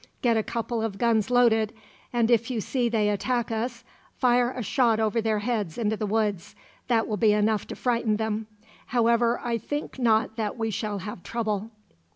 Get a couple of guns loaded, and if you see they attack us, fire a shot over their heads into the woods. That will be enough to frighten them. However, I think not that we shall have trouble."